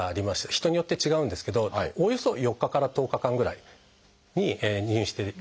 人によって違うんですけどおおよそ４日から１０日間ぐらい入院していただいております。